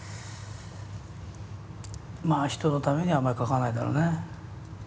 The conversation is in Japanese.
まあ人のためにはあんまり書かないだろうね。